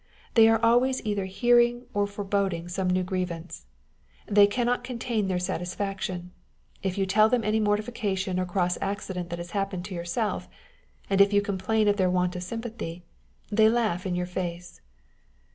They are always either hearing or foreboding some new grievance. They cannot contain their satisfaction, if you tell them any mortification or cross accident that has happened to yourself; and if you complain of their want of sympathy, they laugh in your face.